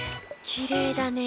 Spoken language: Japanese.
きれいだね。